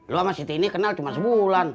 loh sama siti ini kenal cuma sebulan